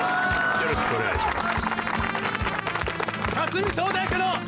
よろしくお願いします！